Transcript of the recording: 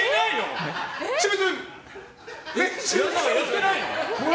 やってないの？